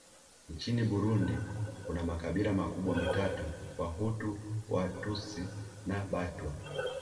Nchini Burundi kuna makabila makubwa matatu Wahutu Watutsi na Batwa